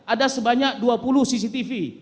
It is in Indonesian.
ada sebanyak dua puluh cctv